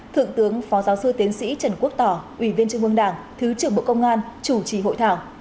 thượng tướng phó giáo sư tiến sĩ trần quốc tỏ ủy viên trung ương đảng thứ trưởng bộ công an chủ trì hội thảo